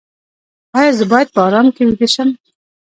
ایا زه باید په ارام کې ویده شم؟